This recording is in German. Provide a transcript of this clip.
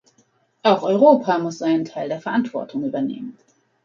Auch Europa muss seinen Teil der Verantwortung übernehmen.